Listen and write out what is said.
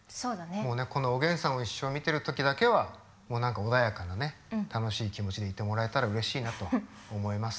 もうねこの「おげんさんといっしょ」を見てるときだけは何か穏やかなね楽しい気持ちでいてもらえたらうれしいなと思います。